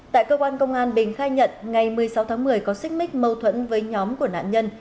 tại cơ quan công an bình khai nhận ngày một mươi sáu tháng một mươi có xích mích mâu thuẫn với nhóm của nạn nhân